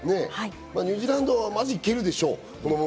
ニュージーランドはまず行けるでしょう。